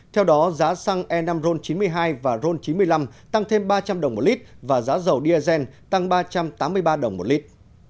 theo đó giá xăng e năm ron chín mươi hai và ron chín mươi năm tăng thêm ba trăm linh đồng một lít và giá dầu diesel tăng ba trăm tám mươi ba đồng một lít